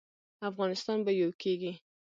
افغانستان به یو کیږي